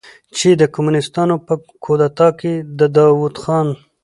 چې د کمونستانو په کودتا کې د داؤد خان